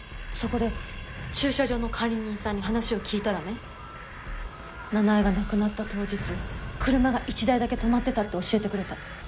そこで駐車場の管理人さんに話を聞いたらね奈々江が亡くなった当日車が１台だけ止まってたって教えてくれた。